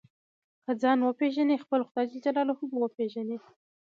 که ځان وپېژنې خپل خدای جل جلاله به وپېژنې.